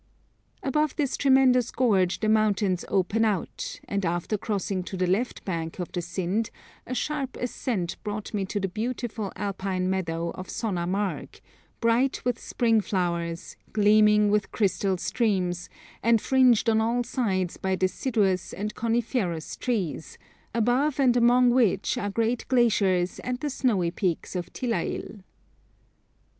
Above this tremendous gorge the mountains open out, and after crossing to the left bank of the Sind a sharp ascent brought me to the beautiful alpine meadow of Sonamarg, bright with spring flowers, gleaming with crystal streams, and fringed on all sides by deciduous and coniferous trees, above and among which are great glaciers and the snowy peaks of Tilail.